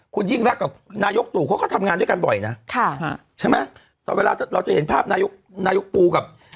คุณยิ่งรักกับนายกตู่เขาก็ทำงานด้วยกันบ่อยนะค่ะใช่ไหมแต่เวลาเราจะเห็นภาพนายกนายกปูกับ